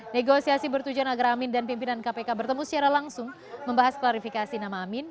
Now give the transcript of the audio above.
negosiasi bertujuan agar amin dan pimpinan kpk bertemu secara langsung membahas klarifikasi nama amin